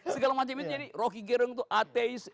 segala macam itu jadi rocky giring itu ateis